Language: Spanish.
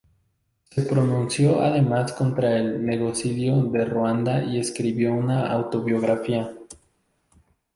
Se pronunció además contra el genocidio de Ruanda y escribió una autobiografía.